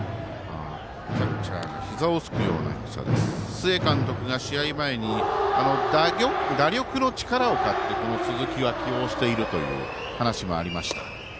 須江監督が試合前に打力の力を買って鈴木は起用しているという話もありました。